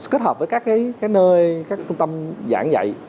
kết hợp với các nơi các trung tâm giảng dạy